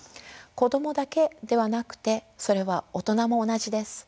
子供だけではなくてそれは大人も同じです。